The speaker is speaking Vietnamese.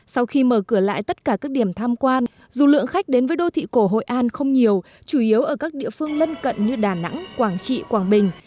sau khi mở cửa lại tất cả các điểm tham quan dù lượng khách đến với đô thị cổ hội an không nhiều chủ yếu ở các địa phương lân cận như đà nẵng quảng trị quảng bình